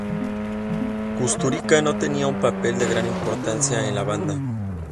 Kusturica no tenía un papel de gran importancia en la banda.